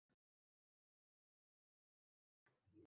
Kam yerdan ko‘p daromad olayotgan namunali tomorqaching